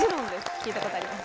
聴いたことあります。